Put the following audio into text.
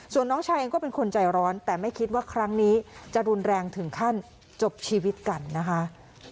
ส่วนน้องชายเองก็เป็นคนใจร้อนแต่ไม่คิดว่าครั้งนี้จะรุนแรงถึงขั้นจบชีวิตกันนะคะ